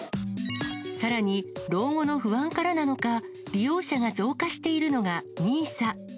さらに、老後の不安からなのか、利用者が増加しているのが、ＮＩＳＡ。